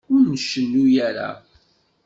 Ur ncennu ara.